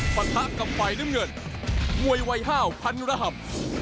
ปรรถะกับไฟน้ำเงินมวยวัยห้าวพันธุระห่ำ